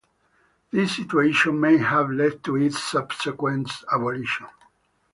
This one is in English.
This situation may have led to its subsequent abolition.